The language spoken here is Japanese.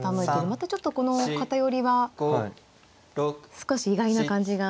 またちょっとこの偏りは少し意外な感じが。